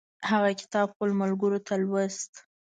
هغه کتاب خپلو ملګرو ته لوست.